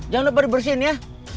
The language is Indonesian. jangan lupa dibersihin ya